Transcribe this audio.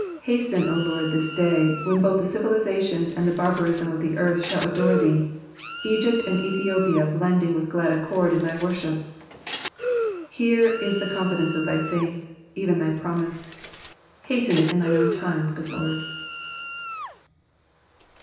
Hasten, O Lord, this day, when both the civilization and the barbarism of the earth shall adore thee, Egypt and Ethiopia blending with glad accord in thy worship ! Here is the confidence of thy saints, even thy promise ; hasten it in thine own time, good Lord.